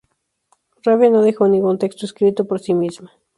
Rabia no dejó ningún texto escrito por sí misma.